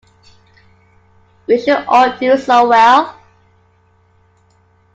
We should all do so well.